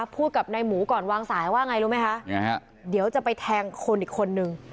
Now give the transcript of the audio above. พูดกับนายหมูก่อนวางสายว่าไงรู้ไหมคะเดี๋ยวจะไปแทงคนอีกคนนึง